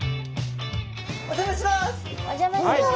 お邪魔します。